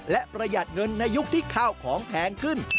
และประหยัดเงินในยุคที่ข้าวของแพงขึ้น